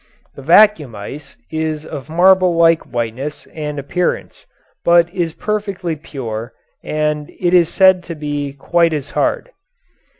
The vacuum ice is of marble like whiteness and appearance, but is perfectly pure, and it is said to be quite as hard.